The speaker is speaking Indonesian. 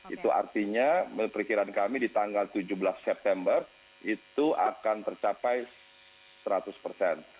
itu artinya perkiraan kami di tanggal tujuh belas september itu akan tercapai seratus persen